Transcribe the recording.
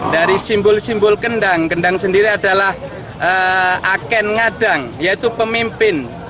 dari simbol simbol kendang kendang sendiri adalah aken ngadang yaitu pemimpin